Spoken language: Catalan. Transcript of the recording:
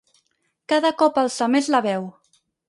Cada cop alça més la veu.